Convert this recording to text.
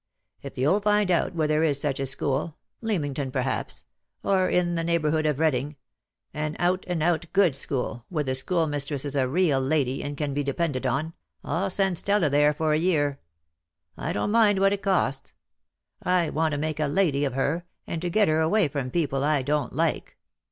If you'll find out where there is such a school — Leamington, perhaps — or in the neigh bourhood of Reading — an out and out good school, where the schoolmistress is a real lady, and can be depended on, I'll send Stella there for a year. I don't mind what it costs. I want to make a lady of her, and to get her away from people I don't like.